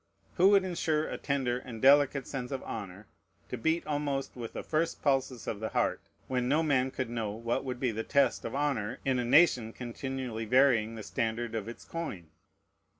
Who would insure a tender and delicate sense of honor to beat almost with the first pulses of the heart, when no man could know what would be the test of honor in a nation continually varying the standard of its coin?